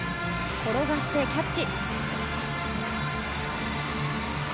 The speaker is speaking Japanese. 転がしてキャッチ。